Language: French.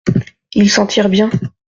Il s’en tire bien.